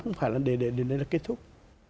không phải là để đến đây là kết thúc